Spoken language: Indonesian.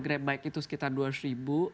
grabbike itu sekitar rp dua ratus